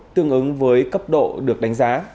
tương ứng với cấp độ được đánh giá